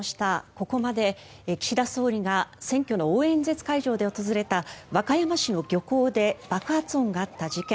ここまで岸田総理が選挙の応援演説会場で訪れた和歌山市の漁港で爆発音があった事件